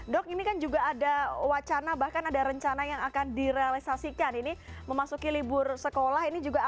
dok ini kan juga ada wacana bahkan ada rencana yang akan direalisasikan ini memasuki libur sekolah ini juga ada